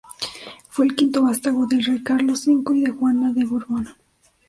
Fue el quinto vástago del rey Carlos V y de Juana de Borbón.